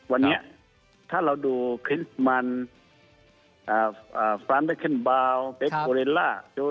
วันนี้ถ้าเราดูคริสต์มันฟรานเม๊สเมริงโย